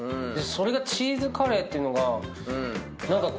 それがチーズカレーっていうのが何か